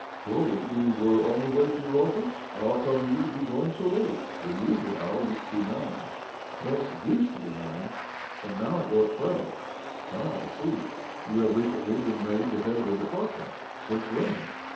" So you were on the way to your office ? How come you to be going so late? Your usual hour used to be nine." " Yes, it used to be nine, but now I go at twelve." " Ah, I see : you have recently been made the head of a depiartment. Since when?"